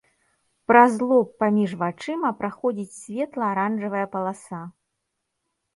Праз лоб паміж вачыма праходзіць светла-аранжавая паласа.